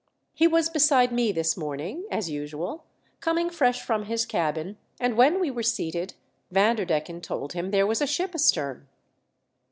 He was beside me this morning as usual, coming fresh from his cabin ; and when we were seated, Vanderdecken told him there was a ship astern.